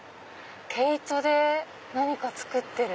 毛糸で何か作ってる。